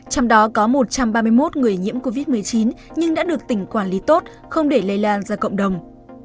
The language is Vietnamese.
trong đó có một trăm ba mươi một người nhiễm covid một mươi chín nhưng đã được tỉnh quản lý tốt không để lây lan ra cộng đồng